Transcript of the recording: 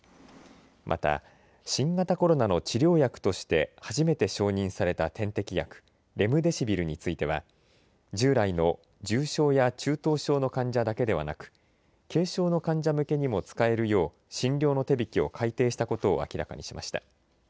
また、新型コロナの治療薬として初めて承認された点滴薬、レムデシビルについては従来の重症や中等症の患者だけではなく、軽症の患者向けにも使えるよう診療の手引きを改訂したことを明らかにしました。